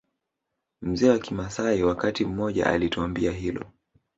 Mzee wa kimaasai wakati mmoja alituambia hilo